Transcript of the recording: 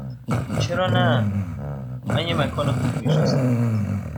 چرا نه؟ من یک مکان خوب می شناسم.